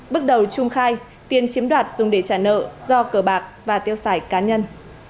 bước đầu trung khai tiền chiếm đoạt dùng để trả nợ do cờ bạc và tiêu xài cá nhân